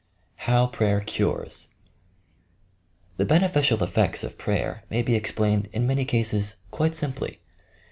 HOW PHATEB CUKES The beneficial effects of prayer may be explained in many cases, quite simply.